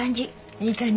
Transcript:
いい感じ？